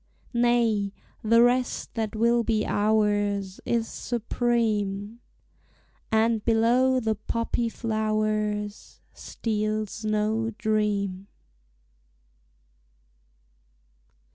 Nay, the rest that will be ours Is supreme, And below the poppy flowers Steals no dream.